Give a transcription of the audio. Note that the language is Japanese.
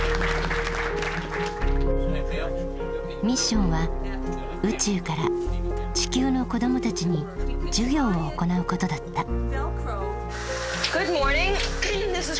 ミッションは宇宙から地球の子どもたちに授業を行うことだった。